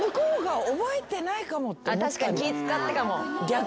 確かに気ぃ使ったかも。